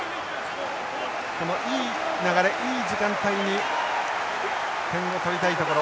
このいい流れいい時間帯に点を取りたいところ。